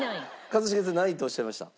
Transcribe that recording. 一茂さん何位とおっしゃいました？